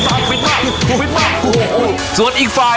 ไม่ต้องสงสัย